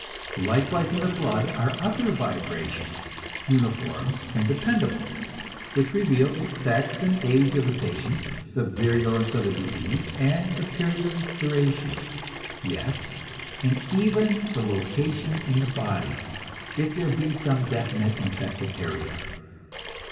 Likewise in the blood are other vibrations, uniform and dependable, which reveal the sex and age of the patient, the virulence of the disease and the period of its duration yes, and even the location in the body, if there be some definite infected area.